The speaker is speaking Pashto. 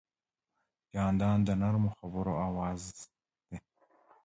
جانداد د نرمو خبرو آواز دی.